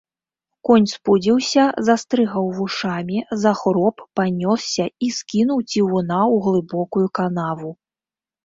Конь спудзіўся, застрыгаў вушамі, захроп, панёсся і скінуў цівуна ў глыбокую канаву.